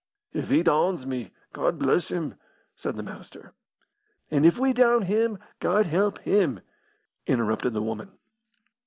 "If he downs me, Gawd bless him!" said the Master, "An' if we down him, Gawd help him!" interrupted the woman.